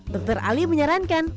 dokter ali menyarankan